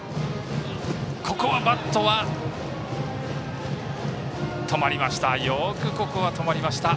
バットは止まりました。